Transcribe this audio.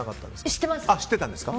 知ってます。